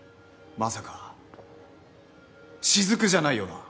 まさか雫じゃないよな？